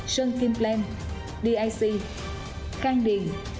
sơn kim plan dic khang điền